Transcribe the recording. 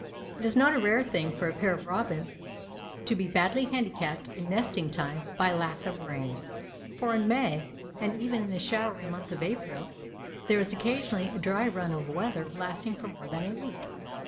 It is not a rare thing for a pair of robins to be badly handicapped in nesting time by a lack of rain, for in May, and even in the showery month of April, there is occasionally a dry run of weather lasting for more than a week.